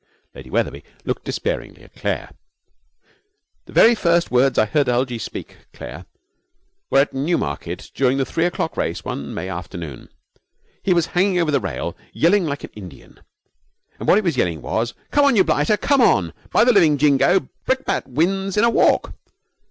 Lady Wetherby looked despairingly at Claire. 'The very first words I heard Algie speak, Claire, were at Newmarket during the three o'clock race one May afternoon. He was hanging over the rail, yelling like an Indian, and what he was yelling was, "Come on, you blighter, come on! By the living jingo, Brickbat wins in a walk!"